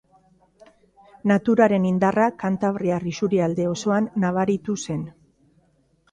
Naturaren indarra kantabriar isurialde osoan nabaritu zen.